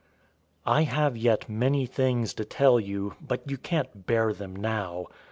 016:012 "I have yet many things to tell you, but you can't bear them now.